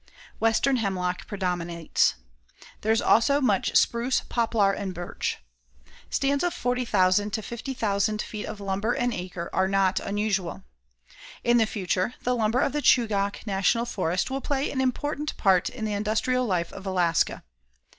Western hemlock predominates. There is also much spruce, poplar and birch. Stands of 40,000 to 50,000 feet of lumber an acre are not unusual. In the future, the lumber of the Chugach National Forest will play an important part in the industrial life of Alaska.